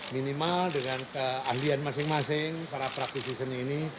minimal dengan keahlian masing masing para praktisi seni ini